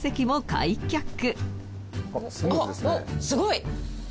すごい！